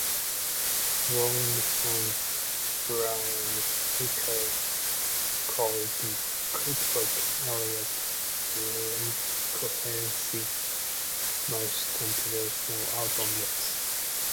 "Rolling Stone"s Brian Hiatt called "The Cookbook" Elliott's "least cohesive, most conventional album yet.